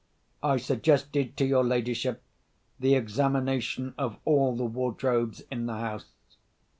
I suggested to your ladyship the examination of all the wardrobes in the house.